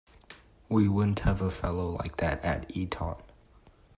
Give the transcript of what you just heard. We wouldn't have a fellow like that at Eton.